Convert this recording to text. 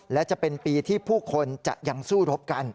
และจะเป็นปีที่ผู้คนจะยังสู้รบกัน